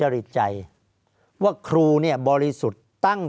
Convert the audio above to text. ภารกิจสรรค์ภารกิจสรรค์